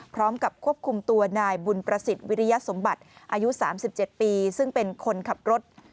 พร้อมกับควบคุมตัวนายบุญประสิทธิ์วิริยสมบัติอายุ๓๗ปีซึ่งเป็นคนขับรถ